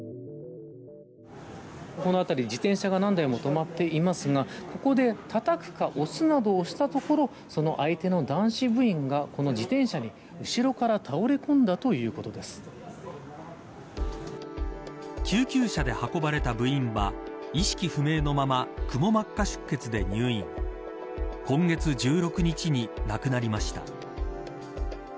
この辺り、自転車が何台も止まっていますがここで、たたくか押すなどをしたところ相手の男子部員が、自転車に後ろから倒れ込んだ救急車で運ばれた部員は意識不明のままくも膜下出血で入院今月１６日に亡くなりました。